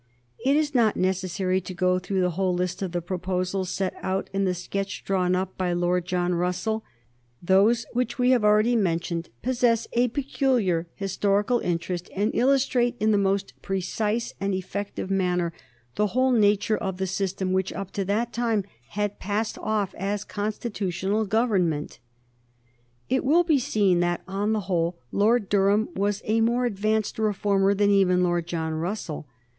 It is not necessary to go through the whole list of the proposals set out in the sketch drawn up by Lord John Russell. Those which we have already mentioned possess a peculiar historical interest and illustrate in the most precise and effective manner the whole nature of the system which, up to that time, had passed off as constitutional government. [Sidenote: 1831 Vote by ballot] It will be seen that, on the whole, Lord Durham was a more advanced reformer than even Lord John Russell.